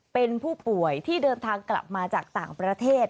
เป็นผู้ป่วยที่เดินทางกลับมาจากต่างประเทศ